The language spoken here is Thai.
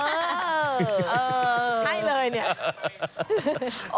เออให้เลยเนี่ย